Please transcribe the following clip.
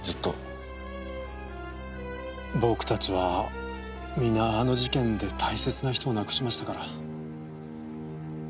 僕たちは皆あの事件で大切な人を亡くしましたから。